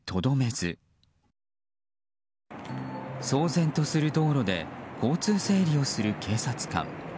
騒然とする道路で交通整理をする警察官。